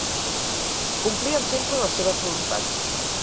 Complien sempre les seves voluntats.